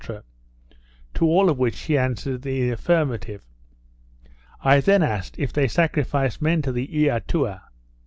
To all of which he answered in the affirmative. I then asked, If they sacrificed men to the Eatua?